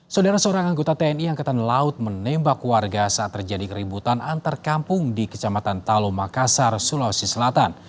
saudara seorang anggota tni angkatan laut menembak warga saat terjadi keributan antar kampung di kecamatan talo makassar sulawesi selatan